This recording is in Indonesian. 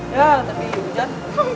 yah tapi hujan